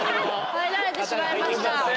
入られてしまいました。